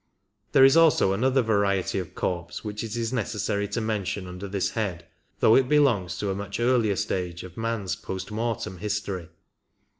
There is also another variety of corpse which it is necessary to mention under this head, though it belongs to a much earlier stage of m^n^ post mortem history.